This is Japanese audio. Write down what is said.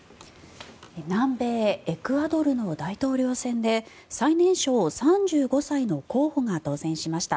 南米エクアドルの大統領選で最年少３５歳の候補が当選しました。